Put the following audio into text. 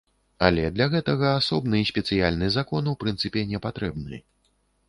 Але для гэтага асобны спецыяльны закон у прынцыпе не патрэбны.